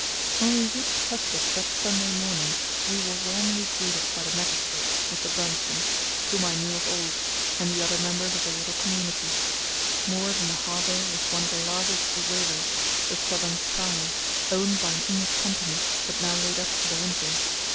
When we reached Husvik that Sunday morning we were warmly greeted by the magistrate (Mr. Bernsten), whom I knew of old, and the other members of the little community. Moored in the harbour was one of the largest of the whalers, the Southern Sky, owned by an English company but now laid up for the winter.